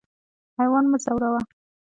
حیوان مه ځوروه.